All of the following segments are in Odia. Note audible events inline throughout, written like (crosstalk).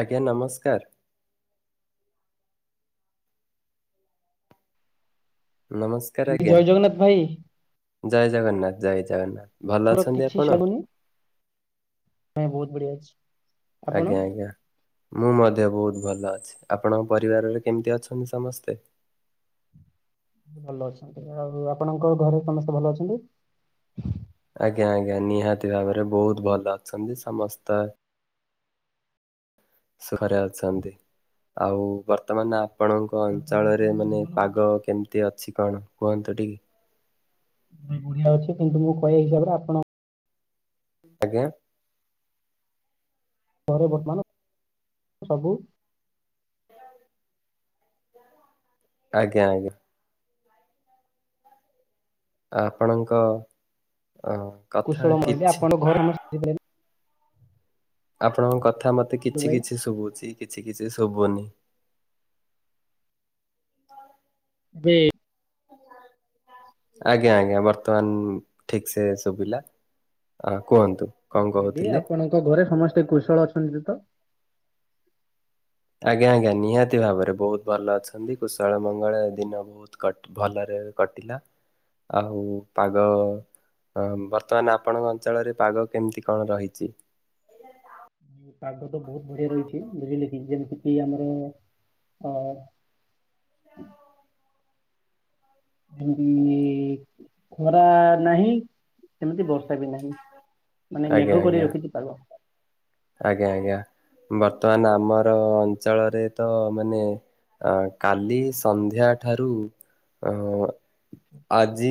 ଆଜ୍ଞା ନମସ୍କାର ନମସ୍କାର ଆଜ୍ଞା ଜୟ ଜଗନ୍ନାଥ ଭାଇ ଜୟ ଜଗନ୍ନାଥ ଜୟ ଜଗନ୍ନାଥ ଭଲ ଆର ଅଛନ୍ତି କିଛି ଆପଣ? ସନଁ ବହୁତ ବଢିଆ ଅଛି ଆପଣ? ଆଜ୍ଞା ଆଜ୍ଞା ମୁଁ ମଧ୍ୟ ବହୁତ ଭଲ ଅଛି ଆପଣଙ୍କ ପରିବାରରେ କେମିତି ଅଛନ୍ତି ସମସ୍ତେ ଭଲ ଅଛନ୍ତି ଆଉ ଆପଣଙ୍କ ଘରେ ସମସ୍ତେ ଭଲ ଅଛନ୍ତି ଆଜ୍ଞା ଆଜ୍ଞା ନିହାତି ଭାବରେ ବହୁତ ଭଲ ଅଛନ୍ତି ସମସ୍ତେ ସୁଖରେ ଅଛନ୍ତି ଆଉ ବର୍ତ୍ତମାନ ଆପଣଙ୍କ ତାହେଲେ ଅଞ୍ଚଳରେ ଆପଣଙ୍କ ମାନେ ଜୀବନ ପାଗ କେମିତି ଅଛି କଣ କୁହନ୍ତୁ ଟିକେ ବଢିଆ ଅଛି କିନ୍ତୁ ମୁଁ କହିବା ହିସାବରେ ଆପଣ ଆଜ୍ଞା ଘରେ ବର୍ତ୍ତମାନ ସବୁ ଆଜ୍ଞା ଆଜ୍ଞା ଆପଣଙ୍କ ଅ କଥା କୁଶଳ କହିଲେ କିଛି ଆପଣଙ୍କ ଘରେ ସମସ୍ତେ ଆପଣଙ୍କ କଥା ମତେ କିଛି ଭାଇ କିଛି ଶୁଭୁଛି କିଛି କିଛି ଶୁଭନି ହଁ ଆଛା ଆଜ୍ଞା ଆଜ୍ଞା ବର୍ତ୍ତମାନ ଠିକ ସେ ଶୁଭିଲା କୁହନ୍ତୁ କଣ ମୁଁ କହିଲି କହୁଥିଲେ? ଆପଣଙ୍କ ଘରେ ସମସ୍ତେ କୁଶଳ ଅଛନ୍ତି ତ ଆଜ୍ଞା ଆଜ୍ଞା ନିହାତି ଭାବରେ ବହୁତ ଭଲ ଅଛନ୍ତି କୁଶଳ ମଙ୍ଗଳ ଦିନ ବହୁତ ଭଲରେ କଟିଲା ଆଉ ପାଗ ହଁ ବର୍ତ୍ତମାନ ଆପଣଙ୍କ ଅଞ୍ଚଳରେ ପାଗ କେମିତି କଣ ରହିଛି ପାଗ ତ ବହୁତ ବଢିଆ ରହିଛି ବୁଝିଲେ କି ଯେମିତି କି ଆମର ଅ ହୁଁ ହୁଁ ଖରା ନାହିଁ ସେମିତି ବର୍ଷା ବି ନାହିଁ ମାନେ ଆଜ୍ଞା ମେଘ କରି ଆଜ୍ଞା ରଖିଛି ପାଗ। ଆଜ୍ଞା ଆଜ୍ଞା ବର୍ତ୍ତମାନ ଆମର ଅଞ୍ଚଳରେ ତ ମାନେ ଆ କାଲି ସନ୍ଧ୍ୟା ଠାରୁ ଅ ଆଜି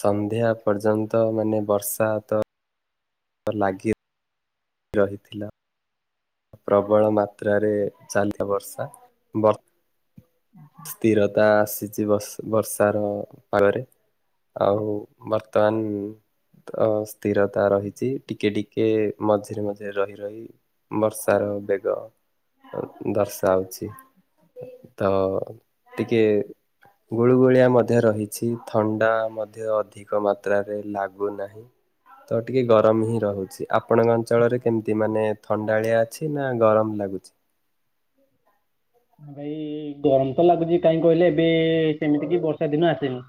ସନ୍ଧ୍ୟା ପର୍ଯ୍ୟନ୍ତ ମାନେ ବର୍ଷା ତ ଲାଗି ରହିଥିଲା। ପ୍ରବଳ ମାତ୍ରାରେ ଚାଲି ଥିଲା ବର୍ଷା। ସ୍ଥିରତା ଆସିଛି ବର୍ଷାର ପାଗରେ। ଆଉ ବର୍ତ୍ତମାନ ତ ସ୍ଥିରତା ରହିଛି ଟିକେ ଟିକେ ମଝିରେ ମଝିରେ ରହି ରହି ବର୍ଷାର ବେଗ ଦର୍ଶାଉଛି ତ ଟିକେ ଗୁଳୁଗୁଳିଆ ମଧ୍ୟ ରହିଛି ଥଣ୍ଡା ମଧ୍ୟ ଅଧିକ ମାତ୍ରାରେ ଲାଗୁନାହିଁ। ତ ଟିକେ ଗରମ ହିଁ ରହୁଛି ଆପଣଙ୍କ ଅଞ୍ଚଳରେ କେମିତି ମାନେ ଥଣ୍ଡାଳିଆ ଅଛି ନା ଗରମ ଲାଗୁଛି? (inaudible) ହଁ ଭାଇ ଗରମ ତ ଲାଗୁଛି କାହିଁ କହିଲେ ଏବେ ସେମିତି କି ବର୍ଷା ଦିନ ଆସିନି।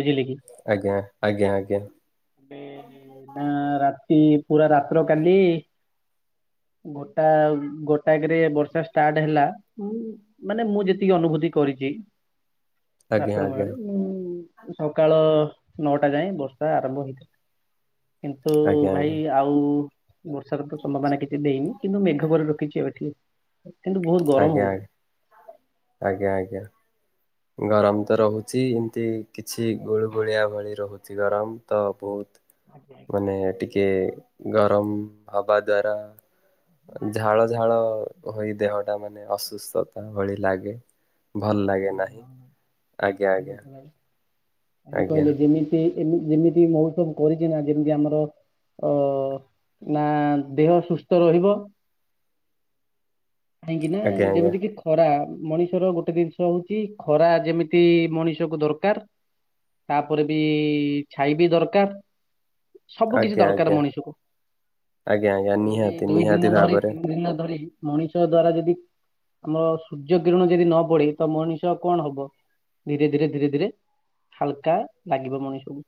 ବୁଝିଲେ କି ଆଜ୍ଞା ଆଜ୍ଞା ଆଜ୍ଞା। (inaudible) ଏବେ ନା (inaudible) ପୁରା ରାତ୍ର କାଲି ଗୋଟା ଗୋଟାକରେ ବର୍ଷା ଷ୍ଟାର୍ଟ ହେଲା। ହଁ ମାନେ ମୁଁ ଯେତିକି ଅନୁଭୂତି କରିଛି ଆଜ୍ଞା ରାତ୍ର ଆଜ୍ଞା କାଳରେ ମୁଁ ସକାଳ ନଅଟା ଯାଏ ବର୍ଷା ଆରମ୍ଭ ହେଇଥିଲା। କିନ୍ତୁ ଆଜ୍ଞା ଭାଇ ଆଉ ବର୍ଷାର ତ ସମ୍ଭାବନା କିଛି ଦେଇନି। କିନ୍ତୁ ମେଘ ପରେ ରଖିଛି ଏବେ ଠିକିଛି କିନ୍ତୁ ବହୁତ ଆଜ୍ଞା ଆଜ୍ଞା ଗରମ ଆଜ୍ଞା ହଉଚି। ଆଜ୍ଞା ଆଜ୍ଞା। ଗରମ ତ ରହୁଛି ଏମିତି କିଛି ଗୁଳୁ ଗୁଳିଆ ଭଳି ରହୁଛି ଗରମ ତ ବହୁତ ଆଜ୍ଞା ଆଜ୍ଞା ମାନେ ଟିକେ ଗରମ ହବା ଦ୍ଵାରା ଝାଳ ଝାଳ ହୋଇ ଦେହଟା ମାନେ ଅସୁସ୍ଥତା ଭଳି ଲାଗେ। ଭଲ ଲାଗେ ନାହିଁ। ଆଜ୍ଞା (inaudible) ଆଜ୍ଞା କଣ ଆଜ୍ଞା କହିଲେ ଯେମିତି ଏ ଯେମିତି ମହୋତ୍ସବ କରିଛି ନା ଯେମିତି ଆମର ଅ ନା ଦେହ ସୁସ୍ଥ ରହିବ। କାହିଁକି ନା ଆଜ୍ଞା ଯେମିତି କି ଖରା ମଣିଷର ଗୋଟେ ଜିନିଷ ହଉଛି ଖରା ଯେମିତି ମଣିଷ କୁ ଦରକାର। ତାପରେ ବି ଛାଇ ବି ଦରକାର। ସବୁ କିଛି ଆଜ୍ଞା ଆଜ୍ଞା ଆଜ୍ଞା ଦରକାର ଆଜ୍ଞା ମଣିଷକୁ। ଆଜ୍ଞା ଯଦି ନିହାତି ଦୁଇ ନିହାତି ଦିନ ଧରି ଭାବରେ ତିନି ଦିନ ଧରି ତ ଦ୍ଵାରା ଯଦି ଆମ ସୂର୍ଯ୍ୟ କିରଣ ଯଦି ନ ପଡେ ତ ମଣିଷ କଣ ହବ ଧୀରେ ଧୀରେ ଧୀରେ ଧୀରେ ହାଲକା ଲାଗିବ ମଣିଷକୁ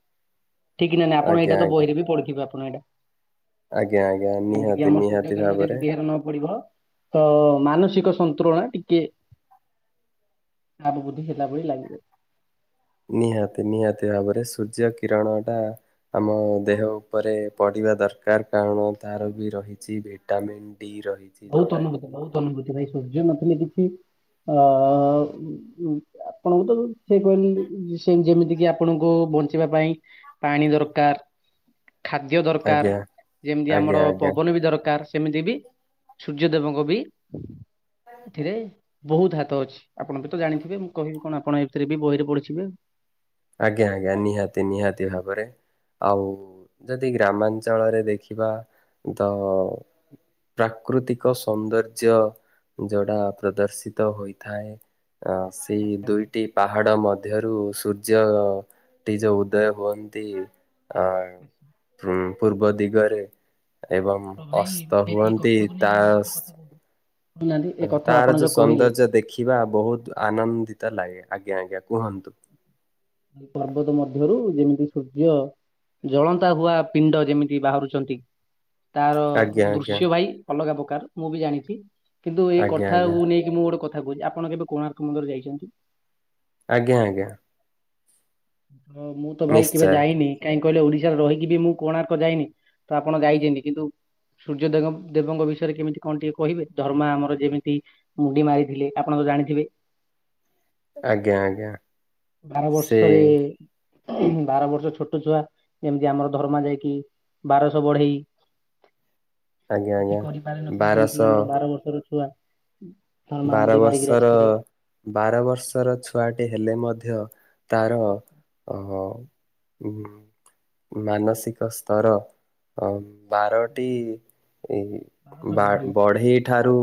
ଠିକ ନା ନାଇଁ ଆପଣ ଆଜ୍ଞା ଏଇଟା ତ ଆଜ୍ଞା ବହିରେ ବି ପଢିଥିବେ ଆପଣ ଏଇଟା। ଆଜ୍ଞା ଆଜ୍ଞା ଯେମିତିକି ନିହାତି ଆମର ସୂର୍ଯ୍ୟ ନିହାତି କିରଣ ଭାବରେ ଯଦି ଦେହରେ ନ ପଡିବ ତ ମାନସିକ ସନ୍ତୁଳନା ଟିକେ ଆ ବୋଧି ହେଲା ଭଳି ଲାଗିବ। ନିହାତି ନିହାତି ଭାବରେ ସୂର୍ଯ୍ୟ କିରଣ ଟା ଆମ ଦେହ ଉପରେ ପଡି ପଡିବା ଦରକାର କାରଣ ତାର ବି ରହିଛି ଭିଟାମିନ୍ (inaudible) ବହୁତ ଯୋଉଟା ଅନୁଭୂତି କି ବହୁତ ଅନୁଭୂତି ଭାଇ ସୂର୍ଯ୍ୟ ନଥିଲେ କିଛି ଅ ଅ ଅ ଆପଣଙ୍କୁ ତ ସେ କହିଲେ ସେ ଯେମିତି କି ଆପଣଙ୍କୁ ବଞ୍ଚିବା ପାଇଁ ପାଣି ଦରକାର। (inaudible) ଖାଦ୍ୟ ଦରକାର ଆଜ୍ଞା ଯେମିତି ଆଜ୍ଞା ଆମର ଆଜ୍ଞା ପବନ ବି ଦରକାର ସେମିତି ବି ସୂର୍ଯ୍ୟଦେବଙ୍କ ବି ଏଥିରେ ବହୁତ ହାତ ଅଛି। ଆପଣ ବି ତ ଜାଣିଥିବେ, ମୁଁ କହିବି କଣ ଆପଣ ଏ ଭିତରେ ବି ବହିରେ ପଢିଥିବେ। ଆଜ୍ଞା ଆଜ୍ଞା। ନିହାତି ନିହାତି ଭାବରେ ଆଉ ଯଦି ଗ୍ରାମାଞ୍ଚଳରେ ଦେଖିବା ତ ପ୍ରାକୃତିକ ସୌନ୍ଦର୍ଯ୍ୟ ଯୋଉଟା ପ୍ରଦର୍ଶିତ ହୋଇଥାଏ ଅ ସେଇ ଆଚ୍ଛା ଆଚ୍ଛା ଦୁଇଟି ପାହାଡ ମଧ୍ୟରୁ ସୂର୍ଯ ର୍ଯ୍ୟ ନିଜ ଉଦୟ ହୁଅନ୍ତି। ଆ ଆଚ୍ଛା ହୁଁ। ପୂର୍ବ ଦିଗରେ ଏବଂ ତ ଭାଇ ଅସ୍ତ ଏ ଏଇ ହୁଅନ୍ତି କଥାକୁ ତା ନେଇକି ମୁଁ ଗୋଟେ କଥା କହୁଥିଲି ଶୁଣୁନାହାନ୍ତି ଏ କଥା ତାର ଆପଣ ଯୋଉ କହିଲେ ସୌନ୍ଦର୍ଯ୍ୟ ଦେଖିବା ବହୁତ ଆନନ୍ଦିତ ଲାଗେ। ଆଜ୍ଞା ଆଜ୍ଞା। କୁହନ୍ତୁ। ପର୍ବତ ମଧ୍ଯ ରୁ ଯେମିତି ସୂର୍ଯ୍ୟ, ଜଳନ୍ତା ହୁଆ ପିଣ୍ଡ ଯେମିତି ବାହାରୁଛନ୍ତି ତାର ଆଜ୍ଞା ଆଜ୍ଞା ଦୃଶ୍ୟ ଭାଇ ଅଲଗା ପ୍ରକାରର, ମୁଁ ବି ଜାଣିଚି। କିନ୍ତୁ ଏ ଆଜ୍ଞା ଆଜ୍ଞା କଥାକୁ ନେଇକି ମୁଁ ଗୋଟେ କଥା କହୁଚି। ଆପଣ କେବେ କୋଣାର୍କ ମନ୍ଦିର ଯାଇଚନ୍ତି? ଆଜ୍ଞା ଆଜ୍ଞା। ତ ମୁଁ ତ ଭାଇ କେବେ ନିଶ୍ଚୟ ଯାଇନି, କାହିଁ କି କହିଲେ ଓଡିଶାରେ ରହିକି ବି ମୁଁ କୋଣାର୍କ ଯାଇନି। ତ ଆପଣ ଯାଇଛିନ୍ତି କିନ୍ତୁ ସୂର୍ଯ୍ୟ ଦେଙ୍କ ଦେବଙ୍କ ବିଷୟରେ କେମିତି କଣ ଟିକେ କହିବେ? ଧରମା ଆମର ଯେମିତି ମୁଣ୍ଡି ମାରିଥିଲେ, ଆପଣଙ୍କ ତ ଜାଣିଥିବେ? ଆଜ୍ଞା ଆଜ୍ଞା। ସେ ରେ ବାର ବର୍ଷ ଛୋଟ ଛୁଆ ଯେମତି ଆମର ଧରମା ଯାଇକି ବାରଶହ ବଢେଇ, ଆଜ୍ଞା କିଛି ଆଜ୍ଞା କରିପାରିନଥିଲେ ଯେମତି ବାରଶହ ଆମର ବାର ବର୍ଷର ଛୁଆ। ହୁଁ। ବାର ବର୍ଷର, ବାର ବର୍ଷର ଛୁଆଟି ହେଲେ ମଧ୍ୟ ତାର ଅ ଉମ୍ ମାନସିକ ସ୍ତର ଅ ବାରଟି ଏଇ ବା ବଢେଇ ଠାରୁ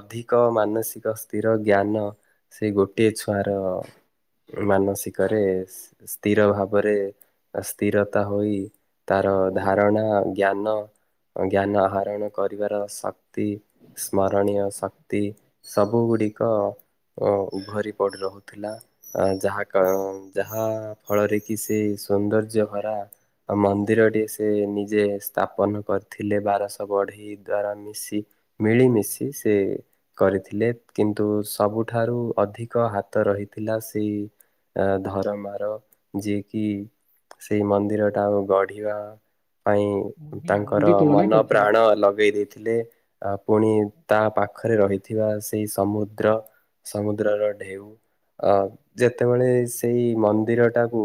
ଅଧିକ ମାନ ମାନସିକ ସ୍ଥିର, ଜ୍ଞାନ ସେଇ ଗୋଟିଏ ଛୁଆର ମାନସିକରେ ସି-ସ୍ଥିର ଭାବରେ ସ୍ଥିରତା ହୋଇ ତାର ଧାରଣା, ଜ୍ଞାନ ଜ୍ଞାନ ଆହରଣ କରିବାର ଶକ୍ତି, ସ୍ମରଣୀୟ ଶକ୍ତି ସବୁ ଗୁଡ଼ିକ ଉମ୍ ଭରି ପଡ଼ି ରହୁଥିଲା ଅ ଯାହା କ ଯାହା ଫଳରେ କି ସେଇ ସୌନ୍ଦର୍ଯ୍ୟ ଭରା ମନ୍ଦିରଟିଏ ସେ ନିଜେ ସ୍ଥାପନ କରିଥିଲେ, ବାରଶହ ବଢେଇ ଦ୍ଵାରା ମିଶି। ମିଳିମିଶି ସେ କରିଥିଲେ। କିନ୍ତୁ ସବୁଠାରୁ ଅଧିକ ହାତ ରହିଥିଲା ସେଇ ଆ ଧରମାର, ଯିଏ କିି ସେଇ ମନ୍ଦିରଟା ଆଉ ଗଢିବା ପାଇଁ ମୁଣ୍ଡି ତାଙ୍କର ମୁଣ୍ଡି ତୁଳନା ମନ କରିଥିଲେ। ପ୍ରାଣ ଲଗେଇ ଦେଇଥି ଥିଲେ, ପୁଣି ତା ପାଖରେ ରହି ଥିବା ସେଇ ସମୁଦ୍ର, ସମୁଦ୍ରର ଢେଉ ଅ ଯେତେବେଳେ ସେଇ ମନ୍ଦିରଟାକୁ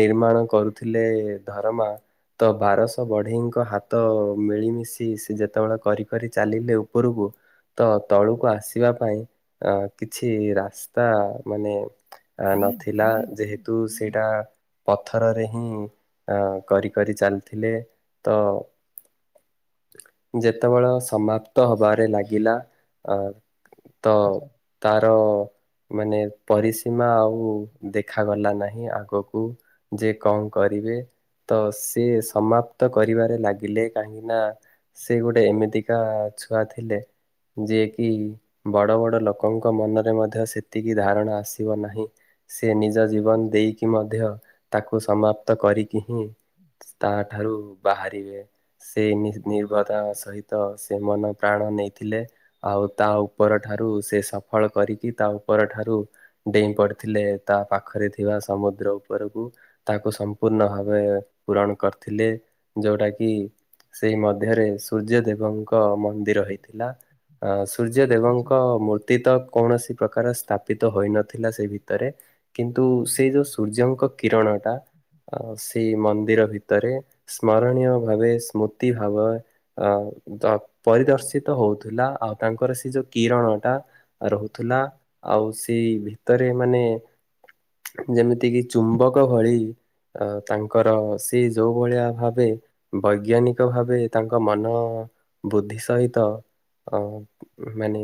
ନିର୍ମାଣ କରୁଥିଲେ ଧର ମା ତ ବାରଶହ ବଢେଇଙ୍କ ହାତ ମିଳିମିଶି, ସେ ଯେତେବେଳେ କରି କରି ଚାଲିଲେ ଉପରକୁ ତ ତଳୁକୁ ଆସିବା ପାଇଁ ଅ କିଛି ରାସ୍ତା ମାନେ ନଥି ଥିଲା, ଯେହେତୁ ସେଇଟା ପଥରରେ ହିଁ କରି କରି ଚାଲିଥିଲେ, ତ ଆଚ୍ଛା ଆଚ୍ଛା ଯେତେବେଳ ସମାପ୍ତ ହବାରେ ଲାଗିଲା, ଅ ତ ଆଚ୍ଛା ତାର ମାନେ ପରିସୀମା ଆଉ ଦେଖାଗଲା ନାହିଁ ଆଗକୁ, ଯେ କଣ କରି ବେ ତ ସିଏ ସମାପ୍ତ କରିବାରେ ଲାଗିଲେ, କାହିଁକିନା ସେ ଗୋଟେ ଏମିତିକା ଛୁଆ ଥିଲେ ଯିଏ କି ବଡ଼ ବଡ଼ ଲୋକଙ୍କ ମନରେ ମଧ୍ୟ ସେତିକି ଧାରଣା ଆସିବ ନାହିଁ ସେ ନି ନିଜ ଜୀବନ ଦେଇକି ମଧ୍ୟ ତାକୁ ସମାପ୍ତ କରିକି ହିଁ ତା ଠାରୁ ବାହାରିବେ ସେଇ ନିହିଁ ଆଚ୍ଛା ଆଚ୍ଛା ନିର୍ବଦ ସହିତ ସେ ମନ ପ୍ରାଣ ନେଇଥିଲେ। ଆଉ ତା ଉପର ଆଚ୍ଛା ଆଚ୍ଛା ଠାରୁ ସେ ସଫଳ କରିକି ତା ଉପରଠାରୁ ଡେଇଁ ପଡିଥିଲେ ତା ପାଖରେ ଥିବା ସମୁଦ୍ର ଉପରକୁ ତାକୁ ସମୁ ପୂର୍ଣ୍ଣ ଭାବେ ପୂରଣ କରିଥିଲେ ଯୋଉଟା କିି ସେଇ ମଧ୍ୟରେ ସୂର୍ଯ୍ୟ ଦେବଙ୍କ ମନ୍ଦିର ହେଇଥିଲା। ଆ ସୂର୍ଯ୍ୟଦେବଙ୍କ ଆଚ୍ଛା ମୂର୍ତ୍ତି ତକ୍ କୌଣସି ପ୍ରକାର ସ୍ଥାପିତ ହୋଇନଥିଲା ସେଇ ଭିତରେ କିନ୍ତୁ ଆଚ୍ଛା ସେଇ ଯୋଉ ସୂର୍ଯ୍ୟଙ୍କ କିରଣଟା। ଆ ସେଇ ମନ୍ଦିର ଭିତରେ ସ୍ମରଣୀୟ ଭାବେ ସ୍ମୃତି ଭାବ ଅ ଦ ପରିଦର୍ଶିତ ହଉଥିଲା। ଆଉ ତାଙ୍କର ସେ ଯୋଉ କିରଣ ଟା ରହୁଥିଲା ଆଉ ସେଇ ଭିତରେ ମାନେ। ଯେମିତି କିି ଚୁମ୍ବକ ଭଳି ଅ ତାଙ୍କର। ତି ଯୋଉ ଭଳିଆ ଭାବେ ବୈଜ୍ଞାନିକ ଭାବେ। ତାଙ୍କ ମନ ବୁଦ୍ଧି ସହିତ ଅ ମାନେ।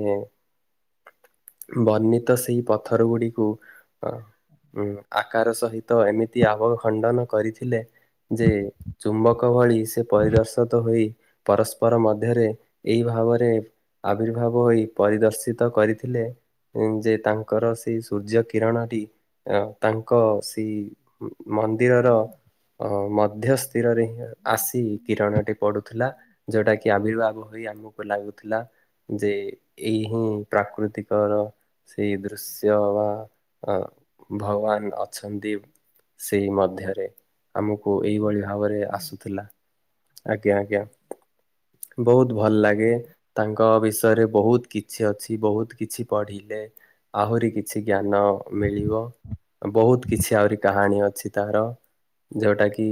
ବର୍ଣ୍ଣିତ ସେଇ ପଥର ଗୁଡିକୁ ଅ ଉ ଆକାର ସହି ତ ଏମିତି ଆବହ ଖଣ୍ଡନ କରିଥିଲେ। ଯେ ଚୁମ୍ବକ ଭଳି ସେ ପରିଦର୍ଶତ ହୋଇ ପରସ୍ପର ମଧ୍ୟରେ ଏଇ ଭ ଭାବରେ ଆବିର୍ଭାବ ହୋଇ ପରିଦର୍ଶିତ କରିଥିଲେ। ଉ ଯେ ତାଙ୍କର ସେ ସୂର୍ଯ୍ୟ କିରଣଟି ଅ ତାଙ୍କ ସି। ଉ ମନ୍ଦିରର ଅ ମଧ୍ୟସ୍ (unintelligible) ହିଁ ଆସି କିରଣଟି ପଡୁଥିଲା ଯୋଉଟା କି ଆବିର୍ଭାବ ହୋଇ ଆମକୁ ଲାଗୁଥିଲା। ଯେ ଏଇ ହିଁ ପ୍ରାକୃତିକର। ସେଇ ଦୃଶ୍ୟ ବା ଆ ଭଗବାନ ଅଛନ୍ତି। ସେଇ ମଧ୍ୟରେ। ଆମକୁ ଏଇଭଳି ଆଚ୍ଛା ଭାବରେ ଯେମିତି ଆସୁଥିଲା। ଆଜ୍ଞା ଆଜ୍ଞା। ବହୁତ ଭଲ ଲାଗେ। କ ବିଷୟରେ ବହୁତ କିଛି ଅଛି ବହୁତ କିଛି ପଢିଲେ ଆହୁରି କିଛି ଜ୍ଞାନ। ମିଳିବ ବହୁତ କିଛି ଆହୁରି କାହାଣୀ ଅଛି ତାହାର ଯୋଉଟା କି।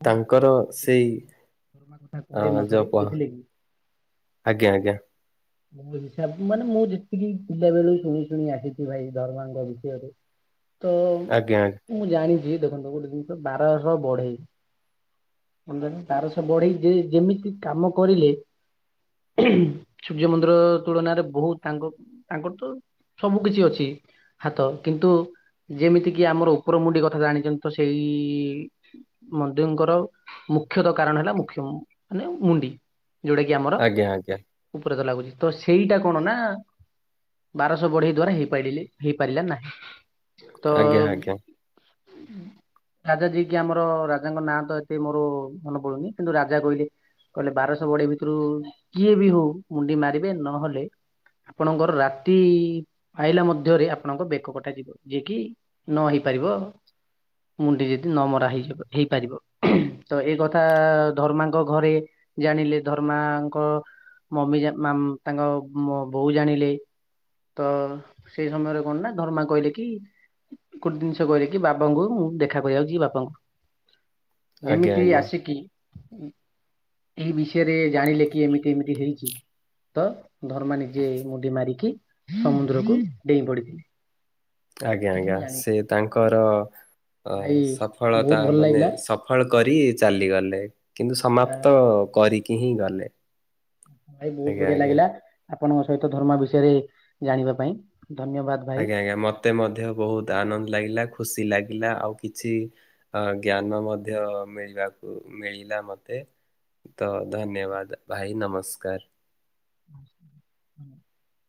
ବହୁତ ବହୁତ ତାଙ୍କର ସେଇ ଯେମିତି ଧର୍ମା କଥା ଅ କହିଲେ ନ ସରେ ଯପ। ବୁଝିଲେ କି? ଆଜ୍ଞା ଆଜ୍ଞା। ମୋ ହିସାବ ମାନେ ମୁଁ ଯେତିକି ପିଲା ବେଳୁ ଶୁଣି ଶୁଣି ଆସିଛି ଭାଇ ଧର୍ମାଙ୍କ ବିଷୟରେ। ତ ଆଜ୍ଞା ମୁଁ ଜାଣିଛି ଦେଖନ୍ତୁ ଗୋଟେ ଜିନିଷ ବାରଶହ ବଢେଇ। (unintelligible) ବାରଶହ ବଢେଇ ଯେ ଯେମିତି କାମ କରିଲେ। ସୂର୍ଯ୍ୟ ମନ୍ଦିର ତୁଳନାରେ ବହୁତ ତାଙ୍କ ତାଙ୍କର ତ। ସବୁ କିଛି ଅଛି ହାତ କିନ୍ତୁ। ଯେମିତି କିି ଆମର ଉପର ମୁଣ୍ଡି କଥା ଜାଣିଛନ୍ତି ତ ସେଇ ମନ୍ଦିଙ୍କର। ମୁଖ୍ୟତଃ କାରଣ ହେଲା ମୁଖ୍ୟ ଉ ମାନେ ମୁଣ୍ଡି। ଆଜ୍ଞା ଆଜ୍ଞା। ବୁଝିଛୁତ ସେଇଟା କଣ ନା। ବାରଶହ ବଢେଇ ଦ୍ଵାରା ହେଇପାଡିଲେ ହେଇପାରିଲା ନାହିଁ ତ। ଆଜ୍ଞା ଆଜ୍ଞା (inaudible) ରାଜା ଯିଏକି ଆମର ରାଜାଙ୍କ ନାଁ ତ ଏତେ ମୋର ମନେ ପଡୁନି କିନ୍ତୁ ରାଜା କହିଲେ। କହିଲେ ବାରଶହ ବଡେଇ ଭିତରୁ କିଏ ବି ହଉ ମୁଣ୍ଡି ମାରିବେ। ନହେଲେ ଆପଣଙ୍କର ରାତି ପାଇଲା ମଧ୍ୟରେ ଆପଣଙ୍କ ବେକ କଟା ଯିବ। ଯିଏକି ନ ହେଇ ପାରିବ। ମୁଣ୍ଡି ଯଦି ନମରା ହେଇଯିବ ହେଇପାରିବ ତ ଏଇ କଥା ଧର୍ମାଙ୍କ ଘରେ। ଜାଣିଲେ ଧର୍ମାଙ୍କ ମମି ତାଙ୍କ ବୋଉ ଜାଣିଲେ। ତ ସେଇ ସମୟରେ କଣ ନା ଧର୍ମା କହିଲେ କି? ଗୋଟେ ଜିନିଷ କହିଲେ କି ବାବାଙ୍କୁ ମୁ ଦେଖା କରିବାକୁ ଯିବି ବାପାଙ୍କୁ। ଆଜ୍ଞା ଆଜ୍ଞା ଯେମିତି ଆଜ୍ଞା ଆସିକି। ଏଇ ବିଷୟରେ ଜାଣିଲେ କି ଏମିତି ଏମିତି ହେଇଛି ତ ଧର୍ମା ନିଜେ ମୁଣ୍ଡି ମାରିକି ସମୁଦ୍ରକୁ ଡେଇଁ ପଡିଥିଲେ। ଆଜ୍ଞା ସେଠି ଆଜ୍ଞା ମୁଁ ଜାଣିଛି ସେ ଏଇ ତାଙ୍କର କଥା ଅ ଭାଇ ବହୁତ ସଫଳତା ଭଲ ମାନେ ଲାଗିଲା ସଫଳ କରି ଚାଲିଗଲେ। କିନ୍ତୁ ସମାପ୍ତ କରିକି ହିଁ ଗଲେ। ଭାଇ ବହୁତ ଆଜ୍ଞା ବଢିଆ ଆଜ୍ଞା। ଲାଗିଲା। ଆପଣଙ୍କ ସହିତ ଧରମା ବିଷୟରେ ଜାଣିବା ପାଇଁ ଧନ୍ୟବାଦ ଭାଇ। ଆଜ୍ଞା ଆଜ୍ଞା ମତେ ମଧ୍ୟ ବହୁତ ଆନନ୍ଦ ଲାଗିଲା ଖୁସି ଲାଗିଲା। ନା ଆଉ କିଛି ଅଁ ଜ୍ଞାନ ମଧ୍ୟ ମିଳିବାକୁ ମିଳିଲା ମତେ। ତ ଧନ୍ୟବାଦ ଭାଇ ନମସ୍କାର। ହ ହୁଁ। (inaudible)